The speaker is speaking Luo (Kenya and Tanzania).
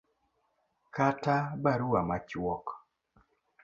kata barua machuok